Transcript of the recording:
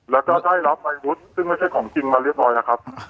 แล้วก็ได้รับอาวุธซึ่งไม่ใช่ของจริงมาเรียบร้อยแล้วครับ